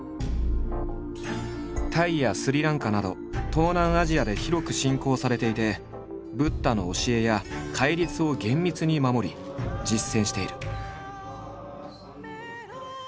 タイやスリランカなど東南アジアで広く信仰されていてブッダの教えや戒律を厳密に守り実践している。